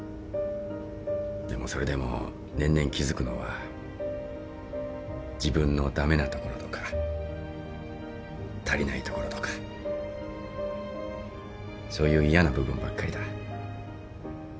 でもそれでも年々気付くのは自分の駄目なところとか足りないところとかそういう嫌な部分ばっかりだ。